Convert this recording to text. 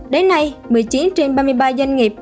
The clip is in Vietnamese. đến nay một mươi chín trên ba mươi ba doanh nghiệp